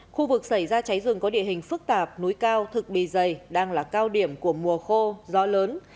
khu vực xảy ra cháy rừng có địa hình phức tạp núi cao thực bì dày đang là cao điểm của mùa khô gió lớn